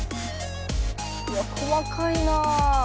うわ細かいなあ。ね。